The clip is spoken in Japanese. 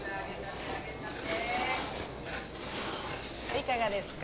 いかがですか。